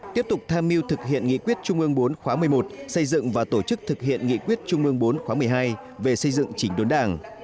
tiếp tục tham mưu thực hiện nghị quyết trung ương bốn khóa một mươi một xây dựng và tổ chức thực hiện nghị quyết trung ương bốn khóa một mươi hai về xây dựng chỉnh đốn đảng